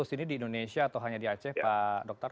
dua ratus ini di indonesia atau hanya di aceh pak dokter